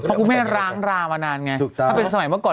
เพราะคุณแม่ร้างรามานานไงถ้าเป็นสมัยเมื่อก่อน